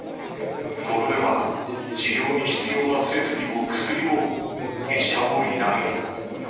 ここでは、治療に必要な設備も薬も医者もいない。